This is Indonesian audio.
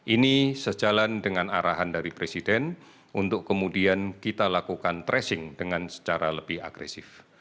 ini sejalan dengan arahan dari presiden untuk kemudian kita lakukan tracing dengan secara lebih agresif